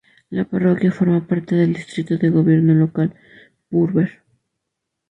La parroquia forma parte del distrito de gobierno local Purbeck.